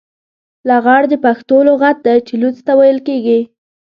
لغړ د پښتو لغت دی چې لوڅ ته ويل کېږي.